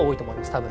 多分。